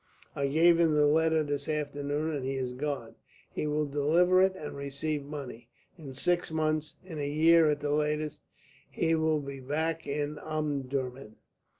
I gave him the letter this afternoon, and he has gone. He will deliver it and receive money. In six months, in a year at the latest, he will be back in Omdurman."